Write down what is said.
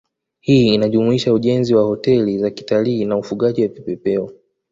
Hii inajumuisha ujenzi wa hoteli za kitalii na ufugaji wa vipepeo